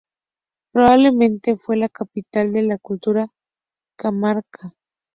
Probablemente fue la capital de la cultura Cajamarca.